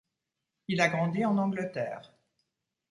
Il a grandi en Angleterre.